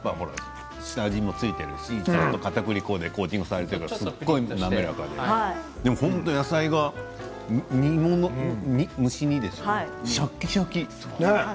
下味も付いているしかたくり粉でコーティングされているからすごい滑らかででも本当に野菜が蒸し煮ですよねシャキシャキ。